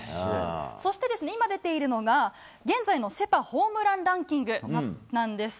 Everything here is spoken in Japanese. そして、今出ているのが、現在のセ・パホームランランキングなんです。